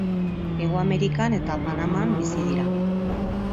Hego Amerikan eta Panaman bizi dira.